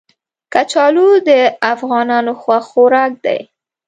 کچالو د افغانانو خوښ خوراک دی